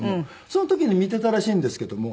その時に見ていたらしいんですけども。